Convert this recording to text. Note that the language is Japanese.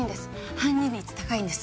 犯人率高いんです。